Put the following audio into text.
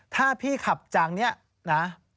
ถ้าพี่ขับจากนี้นะ